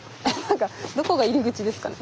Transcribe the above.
どこが入り口ですかね？